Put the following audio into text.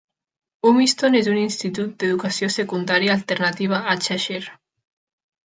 Humiston és un institut d'educació secundària alternativa a Cheshire.